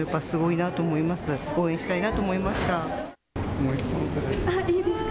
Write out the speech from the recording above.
もう１本いいですか。